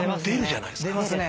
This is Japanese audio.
出るじゃないですか。